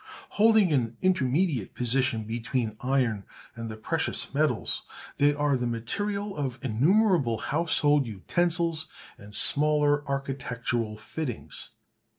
Holding an intermediate position between iron and the precious metals, they are the material of innumerable household utensils and smaller architectural fittings.